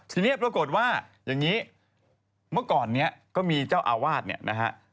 ทีนี้ปรากฏว่าอย่างนี้เมื่อก่อนนี้ก็มีเจ้าอาวาสเนี่ยนะฮะ